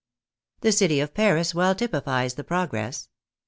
The city of Paris well typifies the progress.